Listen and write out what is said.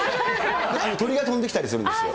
鳥が飛んできたりするんですよ。